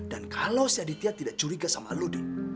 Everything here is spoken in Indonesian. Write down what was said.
dan kalau si aditya tidak curiga sama lo di